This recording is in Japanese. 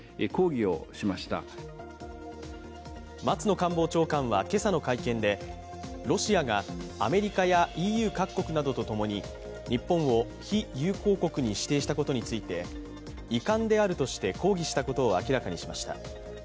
松野官房長官は今朝の会見でロシアがアメリカやＥＵ各国などとともに日本を非友好国に指定したことについて遺憾であるとして抗議したことを明らかにしました。